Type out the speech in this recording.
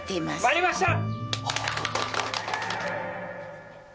参りました！